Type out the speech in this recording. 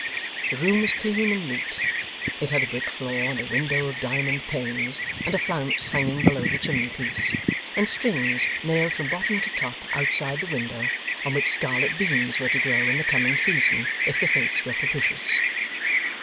The room was clean and neat. It had a brick floor, and a window of diamond panes, and a flounce hanging below the chimney piece, and strings nailed from bottom to top outside the window on which scarlet beans were to grow in the coming season if the Fates were propitious.